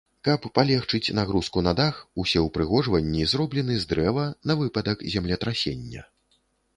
Каб палегчыць нагрузку на дах усе ўпрыгожванні зроблены з дрэва на выпадак землетрасення.